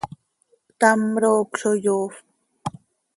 Ctam roocö zo yoofp.